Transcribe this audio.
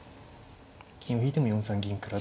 金を引いても４三銀から。